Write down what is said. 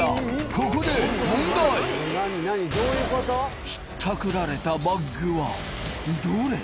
ここで問題ひったくられたバッグはどれ？